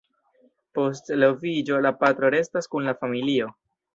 Post eloviĝo, la patro restas kun la familio.